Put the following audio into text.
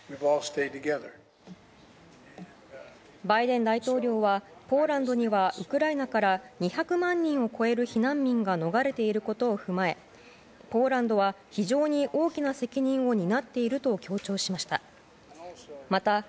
バイデン大統領はポーランドにはウクライナから２００万人を超える避難民が逃れていることを加えポーランドは非常に大きな責任を担っていると強調しました。